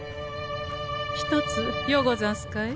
ひとつようござんすかえ？